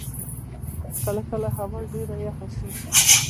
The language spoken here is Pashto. کله کله هوا ډېره یخه شی.